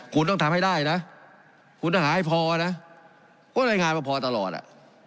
คุณต้องทำให้ได้นะคุณต้องหาให้พอนะก็รายงานมาพอตลอดอ่ะ